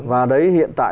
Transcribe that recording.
và đấy hiện tại